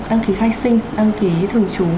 đăng ký khai sinh đăng ký thường trú